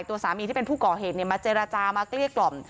ตัวสามีที่เป็นผู้ก่อเหตุมาเจรจามาเกลี้ยกล่อม